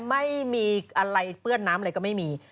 ไม่มีอะไรเปื้อนน้ำอะไรก็ไม่มี